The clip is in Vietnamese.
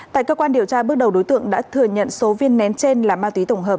tại cơ quan điều tra bước đầu đối tượng đã thừa nhận số viên nén trên là ma túy tổng hợp